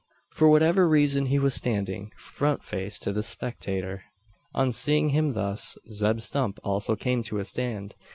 For whatever reason, he was standing, front face to the spectator. On seeing him thus, Zeb Stump also came to a stand.